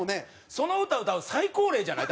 その歌歌う最高齢じゃない？